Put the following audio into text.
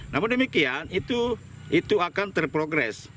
namun demikian itu akan terprogres